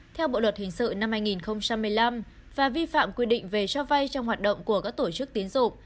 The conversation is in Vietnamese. theo bộ luật hình sự năm hai nghìn một mươi năm và vi phạm quy định về cho vay trong hoạt động của các tổ chức tiến dụng